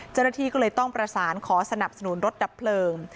เจ้าหน้าที่ก็เลยต้องประสานขอสนับสนุนรถดับเพลิง